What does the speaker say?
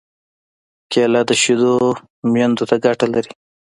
کېله د شېدو میندو ته ګټه لري.